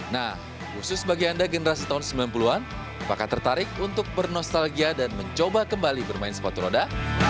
nah khusus bagi anda generasi tahun sembilan puluh an apakah tertarik untuk bernostalgia dan mencoba kembali bermain sepatu roda